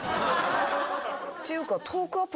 っていうか。